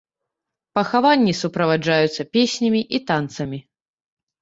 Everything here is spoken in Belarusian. Пахаванні суправаджаюцца песнямі і танцамі.